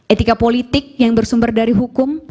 etika politik yang bersumber dari hukum